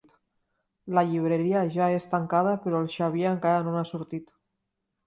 La llibreria ja és tancada, però el Xavier encara no n'ha sortit.